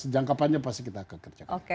jangka panjang pasti kita akan kerjakan